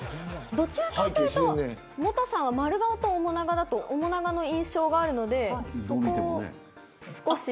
どちらかというと、モトさんは丸顔と面長だと面長の印象があるので。